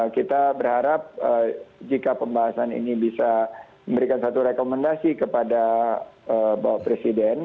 kita berharap jika pembahasan ini bisa memberikan satu rekomendasi kepada bapak presiden